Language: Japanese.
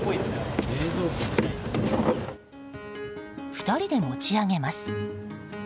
２人で持ち上げます。